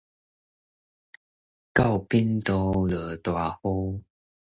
狗反肚，落大雨